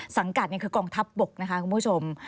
สังกัดคือกองทัพบกคุณผู้ชม